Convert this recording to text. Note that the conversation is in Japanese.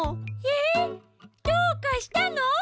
えっどうかしたの？